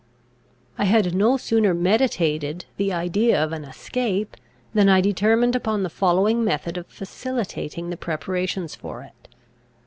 I had no sooner meditated the idea of an escape, than I determined upon the following method of facilitating the preparations for it.